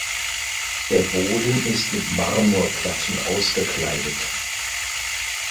Der Boden ist mit Marmorplatten ausgekleidet.